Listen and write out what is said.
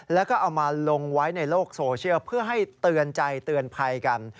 แล้วก็เอามาลงไว้ในโลกโซเชียลเพื่อให้เตือนใจเตือนภัยกัน